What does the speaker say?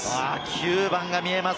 ９番が見えます。